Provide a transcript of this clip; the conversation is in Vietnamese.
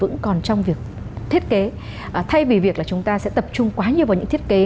vẫn còn trong việc thiết kế thay vì việc là chúng ta sẽ tập trung quá nhiều vào những thiết kế